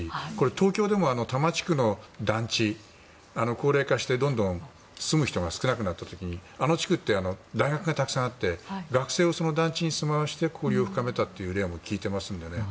東京でも多摩地区の団地高齢化して、どんどん住む人が少なくなった時にあの地区って大学がたくさんあって学生をその団地に住まわせて交流を深めたという例も聞いていますのでね。